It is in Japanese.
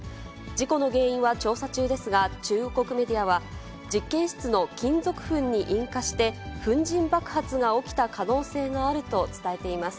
事故の原因は調査中ですが、中国メディアは、実験室の金属粉に引火して、粉じん爆発が起きた可能性があると伝えています。